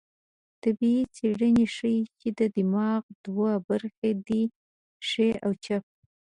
طبي څېړنې ښيي، چې د دماغو دوه برخې دي؛ ښۍ او چپه